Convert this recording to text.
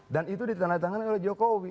dan itu ditanda tangannya oleh jokowi